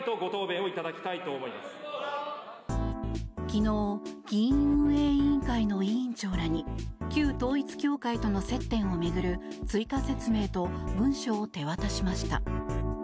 昨日議院運営委員会の委員長らに旧統一教会との接点を巡る追加説明と文書を手渡しました。